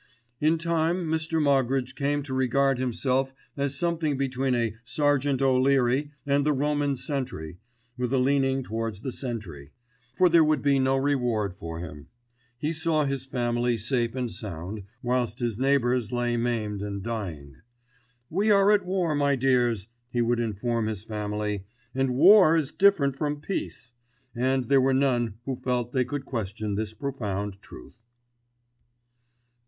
In time Mr. Moggridge came to regard himself as something between a Sergeant O'Leary and the Roman Sentry, with a leaning towards the sentry; for there would be no reward for him. He saw his family safe and sound, whilst his neighbours lay maimed and dying. "We are at war, my dears," he would inform his family, "and war is different from peace," and there were none who felt they could question this profound truth.